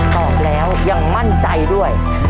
อกแล้วยังมั่นใจด้วย